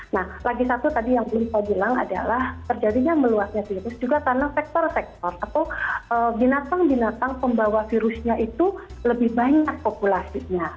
nah lagi satu tadi yang belum saya bilang adalah terjadinya meluasnya virus juga karena sektor sektor atau binatang binatang pembawa virusnya itu lebih banyak populasinya